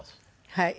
はい。